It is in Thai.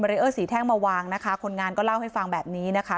เรอร์สีแท่งมาวางนะคะคนงานก็เล่าให้ฟังแบบนี้นะคะ